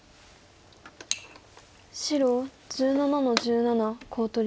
白１７の十七コウ取り。